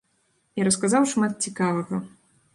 І расказаў шмат цікавага.